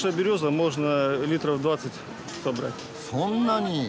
そんなに？